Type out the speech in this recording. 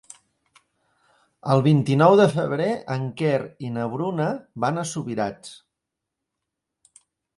El vint-i-nou de febrer en Quer i na Bruna van a Subirats.